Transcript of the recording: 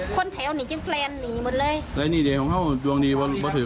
คนแถวจะแปลงหนีหมดเลย